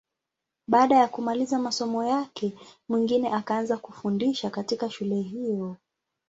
Baada ya kumaliza masomo yake, Mwingine akaanza kufundisha katika shule hiyo.